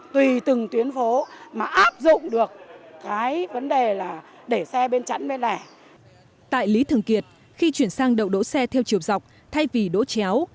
tại lý thường kiệt khi chuyển sang đậu đỗ xe theo chiều dọc thay vì đỗ chéo